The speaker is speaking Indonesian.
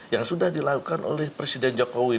yang sudah dilakukan oleh presiden jokowi